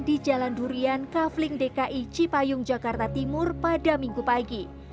di jalan durian kavling dki cipayung jakarta timur pada minggu pagi